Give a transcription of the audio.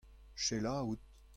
Sheila out.